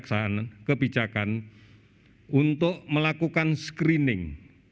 pelaksanaan kebijakan untuk melakukan screening